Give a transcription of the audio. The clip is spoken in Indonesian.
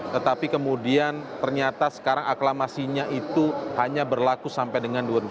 tetapi kemudian ternyata sekarang aklamasinya itu hanya berlaku sampai dengan dua ribu tujuh belas